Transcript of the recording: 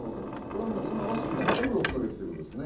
今は少なくとも６か月ということですね。